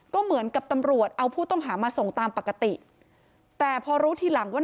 ก็เหมือนกับตำรวจเอาผู้ต้องหามาส่งตามปกติแต่พอรู้ทีหลังว่า